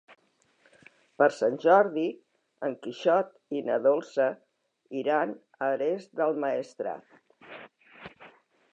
Per Sant Jordi en Quixot i na Dolça iran a Ares del Maestrat.